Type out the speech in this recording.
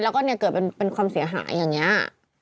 แล้วก็เนี่ยเกิดเป็นความเสียหายอย่างนี้